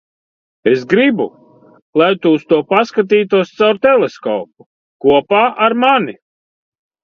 Es gribu, lai tu uz to paskatītos caur teleskopu - kopā ar mani.